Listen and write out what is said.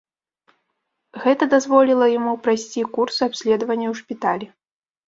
Гэта дазволіла яму прайсці курс абследавання ў шпіталі.